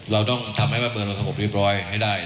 เราต้องทำให้วาดเบิร์นมันกระทบฤทธิ์รีบร้อยให้ได้